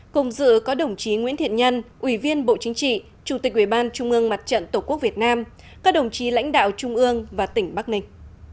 cùng dự có đồng chí nguyễn thiện nhân ủy viên bộ chính trị chủ tịch ủy ban trung ương mặt trận tổ quốc việt nam các đồng chí lãnh đạo trung ương và tỉnh bắc ninh